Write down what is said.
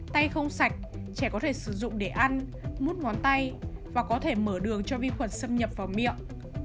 tay không sạch trẻ có thể sử dụng để ăn mút ngón tay và có thể mở đường cho vi khuẩn xâm nhập vào miệng